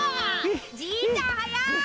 じいちゃん速い！